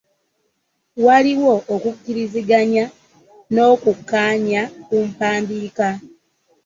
Waaliwo okukkiriziganya n'okukkaanya ku mpandiika